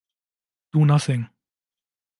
Do nothing.